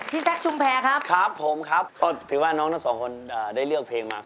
แซคชุมแพรครับครับผมครับก็ถือว่าน้องทั้งสองคนได้เลือกเพลงมา